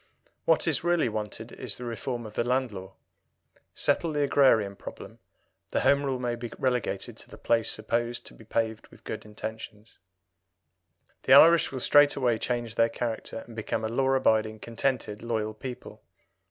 What is really wanted is the reform of the Land Law. Settle the agrarian problem, and Home Rule may be relegated to the place supposed to be paved with good intentions. The Irish will straightway change their character, and become a law abiding, contented, loyal people.